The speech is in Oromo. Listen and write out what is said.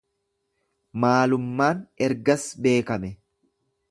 Maalummaan ergas beekame.